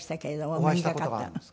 お会いした事があるんですか？